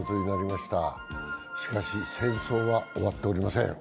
しかし戦争は終わっておりません。